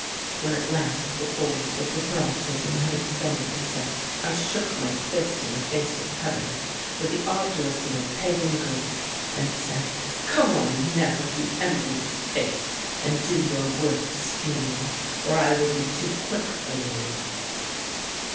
When at last the force of the paroxysm had expended itself, I shook my fist in the face of heaven, with the obduracy of Pagan Greek, and said: "Come on now, you envious Fates, and do your worst speedily, or I will be too quick for you!"